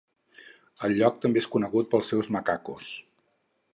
El lloc també és conegut pels seus macacos.